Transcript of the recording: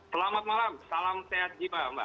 selamat malam salam sehat jiwa mbak